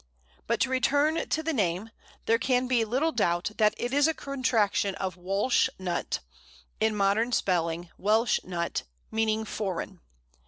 But to return to the name: there can be little doubt that it is a contraction of Wälsh nut (in modern spelling, Welsh nut), meaning foreign.